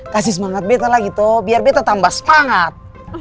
kasih semangat bete lagi tuh biar bete tambah semangat